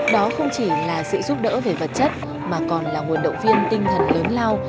đó không chỉ là sự giúp đỡ về vật chất mà còn là nguồn động viên tinh thần lớn lao